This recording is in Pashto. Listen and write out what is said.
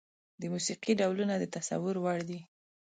د موسيقي ډولونه د تصور وړ دي.